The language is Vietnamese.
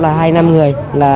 là hai năm người